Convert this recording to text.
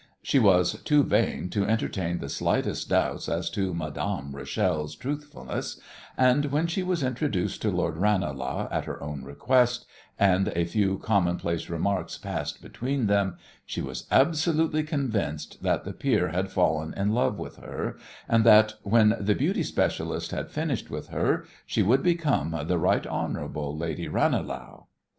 She was too vain to entertain the slightest doubts as to Madame Rachel's truthfulness, and when she was introduced to Lord Ranelagh at her own request, and a few commonplace remarks passed between them, she was absolutely convinced that the peer had fallen in love with her, and that when the "beauty specialist" had finished with her she would become the "Right Hon. Lady Ranelagh."